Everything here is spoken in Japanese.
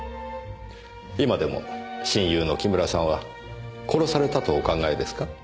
今でも親友の木村さんは殺されたとお考えですか。